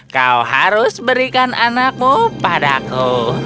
kau harus berikan anakmu padaku